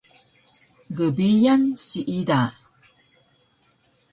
Gbiyan siida